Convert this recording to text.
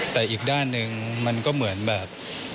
แต่อีกด้านหนึ่งมันก็เหมือนแบบ